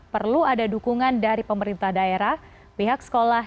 perlu ada dukungan dari pemerintah daerah pihak sekolah